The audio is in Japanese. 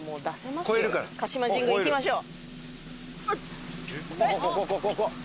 鹿島神宮行きましょう！